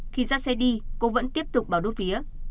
khi ra xe đi cô vẫn tiếp tục vào đốt phía